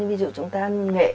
ví dụ chúng ta ăn nghệ